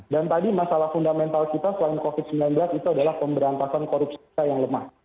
dan tadi masalah fundamental kita selain covid sembilan belas itu adalah pemberantasan korupsi kita yang lemah